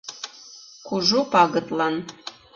Кужу пагытлан.